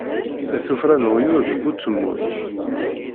Tuffra n uɣyul deg utemmun.